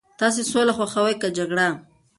تاسي سوله خوښوئ که جګړه؟